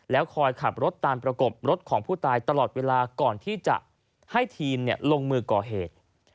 คอยขับรถตามประกบรถของผู้ตายตลอดเวลาก่อนที่จะให้ทีมลงมือก่อเหตุ